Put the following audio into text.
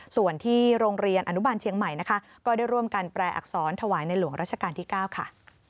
ส่วนที่โรงเรียนอนุบาลเชียงใหม่นะคะก็ได้ร่วมกันแปลอักษรถวายในหลวงราชการที่๙ค่ะ